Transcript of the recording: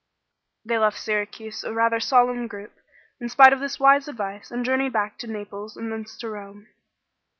They left Syracuse a rather solemn group, in spite of this wise advice, and journeyed back to Naples and thence to Rome.